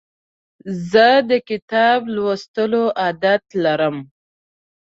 زه د کتاب لوستلو عادت لرم.